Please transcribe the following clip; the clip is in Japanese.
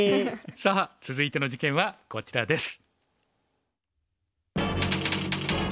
さあ続いて事件はこちらです。